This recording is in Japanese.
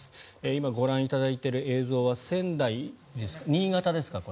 今、ご覧いただいている映像は新潟ですか。